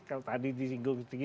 kalau tadi disinggung